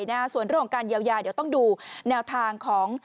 ส่วนเรื่องของการเยียวยาต้องดูแนวทางของ